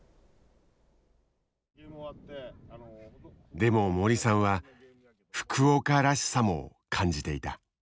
でも森さんは「福岡らしさ」も感じていた。